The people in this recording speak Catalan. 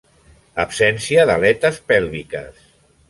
Absència d'aletes pèlviques.